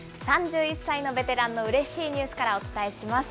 ３１歳のベテランのうれしいニュースからお伝えします。